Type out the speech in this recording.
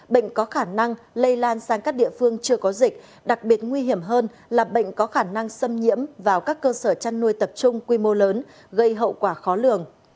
bệnh có khả năng lây lan sang các địa phương chưa có dịch đặc biệt nguy hiểm hơn là bệnh có khả năng xâm nhiễm vào các cơ sở chăn nuôi tập trung quy mô lớn gây hậu quả khó lường